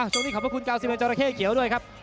ช่วงนี้ขอบพระคุณเก้าสิบแรงจอระเข้เกี่ยวด้วยครับ